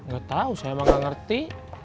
gak tahu saya mah gak ngerti